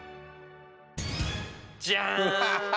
じゃん！